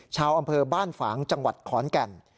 ชาวอำเภอบ้านฝางจังหวัดขอนแก่น